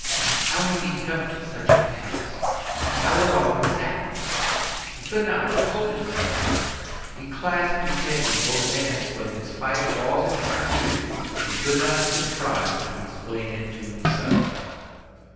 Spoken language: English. How had he come to such a pass? How had all this happened? He could not have told himself. He clasped his head in both hands, but in spite of all that he could do, he could not contrive to explain it to himself.